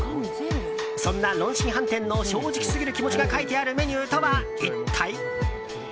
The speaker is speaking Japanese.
そんな龍興飯店の正直すぎる気持ちが書いてあるメニューとは一体？